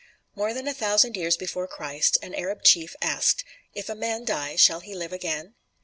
More than a thousand years before Christ, an Arab chief asked, "If a man die shall he live again?"